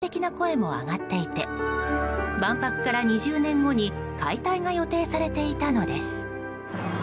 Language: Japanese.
国民から批判的な声も上がっていて万博から２０年後に解体が予定されていたのです。